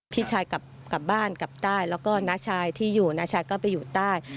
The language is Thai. พี่ชายกลับบ้านกลับใต้แล้วก็น้าชายที่อยู่น้าชายก็ไปอยู่ใต้